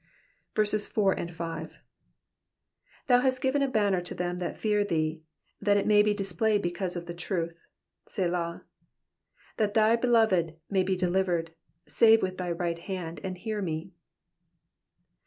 4 Thou hast given a banner to them that fear thee, that it may be displayed because of the truth. Selah. 5 That thy beloved may be delivered ; save with thy right hand, and hear me.